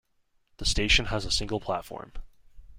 The station has a single platform.